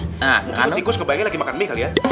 mungkin itu tikus ngebayangin lagi makan mie kali ya